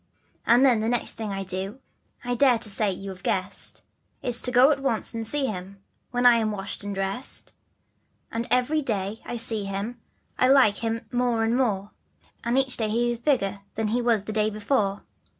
And than the next thing that I do I dare say you have guessed; It's to go at once and see him, when I am washed and dressed. And every day T see him I like him more and more, And each day he is bigger than he was the day before.